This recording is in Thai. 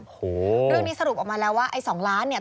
เรื่องนี้สรุปออกมาแล้วว่า๒ล้านเนี่ย